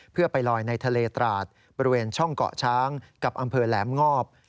เพื่อไปลอยในทะเลตราดบริเวณช่องเกาะช้างกับอำเภอแหลมงอบ